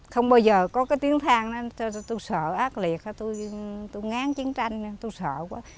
không bao giờ có cái tiếng thang tôi sợ ác liệt tôi ngán chiến tranh tôi sợ quá